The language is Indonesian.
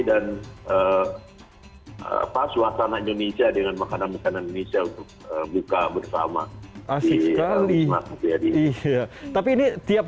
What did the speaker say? dan apa suasana indonesia dengan makanan makanan indonesia untuk buka bersama asli tapi ini tiap